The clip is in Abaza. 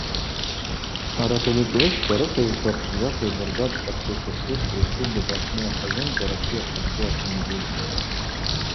Арат агӏвычӏвгӏвысква рыхьызква пшдзата йдыргатӏ Къарча-Черкес Республика апны йахъазымкӏва Россия шабгу апынгьи.